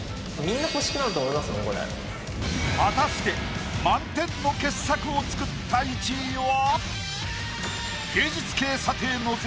果たして満点の傑作を作った１位は？